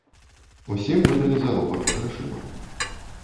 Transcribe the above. Усім выдалі заробак грашыма.